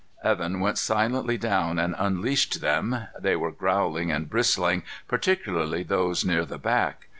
Evan went silently down and unleashed them. They were growling and bristling, particularly those near the back.